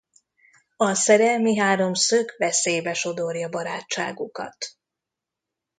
A szerelmi háromszög veszélybe sodorja barátságukat.